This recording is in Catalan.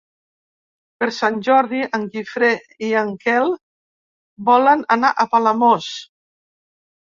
Per Sant Jordi en Guifré i en Quel volen anar a Palamós.